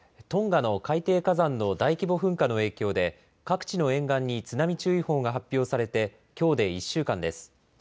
トンガの海底火山の大規模噴火の影響で、各地の沿岸に津波注意報が発表されて、きょうで１週間です。